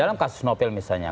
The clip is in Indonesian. dalam kasus novel misalnya